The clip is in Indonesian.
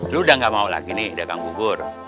lo udah nggak mau lagi nih dagang bubur